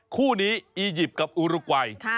คู่นี้อีจิปต์กับอุรากแลดย์